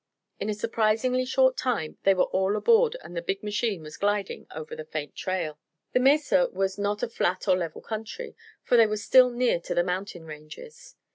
In a surprisingly short time they were all aboard and the big machine was gliding over the faint trail. The mesa was not a flat or level country, for they were still near to the mountain ranges.